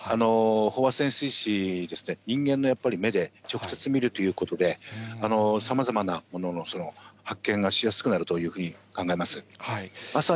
飽和潜水士ですね、人間のやっぱり目で、直接見るということで、さまざまなものの発見がしやすくなるというふうに考えます。